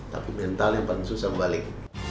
tapi mental yang paling susah membalik